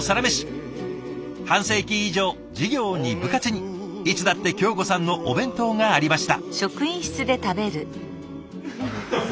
半世紀以上授業に部活にいつだって京子さんのお弁当がありました。